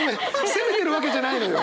責めてるわけじゃないのよ！